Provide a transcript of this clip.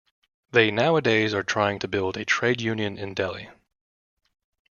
They nowadays are trying to build a trade union in Delhi.